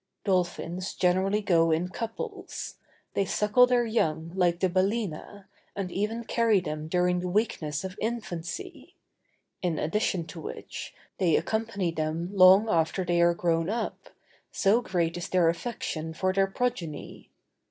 Dolphins generally go in couples. They suckle their young like the balæna, and even carry them during the weakness of infancy; in addition to which, they accompany them long after they are grown up, so great is their affection for their progeny.